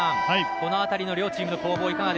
このあたりの両チームの攻防